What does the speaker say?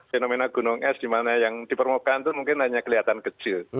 fenomena gunung es di mana yang di permukaan itu mungkin hanya kelihatan kecil